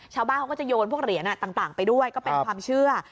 ชาวบ้านเขาก็จะโยนพวกเหรียญต่างไปด้วยก็เป็นความเชื่อ